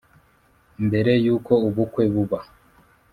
Mbere yuko ubukwe buba